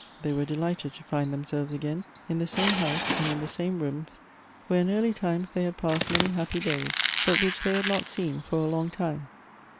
They were delighted to find themselves again in the same house and in the same rooms where in early times they had passed many happy days, but which they had not seen for a long time.